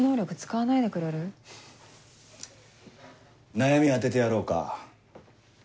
悩み当ててやろうか？